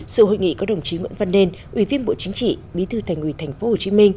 sự hội nghị có đồng chí nguyễn văn nên ủy viên bộ chính trị bí thư thành ủy tp hcm